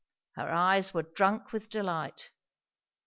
Her eyes were drunk with delight.